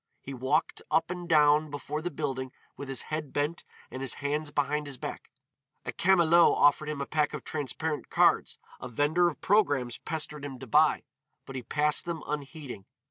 He walked up and down before the building with his head bent and his hands behind his back. A camelot offered him a pack of transparent cards, a vender of programmes pestered him to buy, but he passed them unheeding.